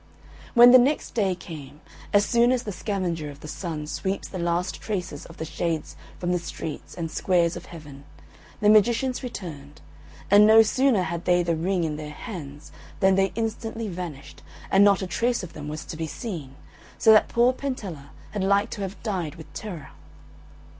When the next day came, as soon as the scavenger of the Sun sweeps the last traces of the Shades from the streets and squares of Heaven, the magicians returned, and no sooner had they the ring in their hands than they instantly vanished, and not a trace of them was to be seen, so that poor Pentella had like to have died with terror.